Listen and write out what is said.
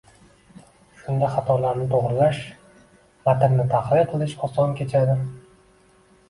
Shunda xatolarni to‘g‘rilash, matnni tahrir qilish oson kechadi.